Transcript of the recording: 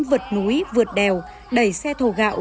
vượt núi vượt đèo đẩy xe thổ gạo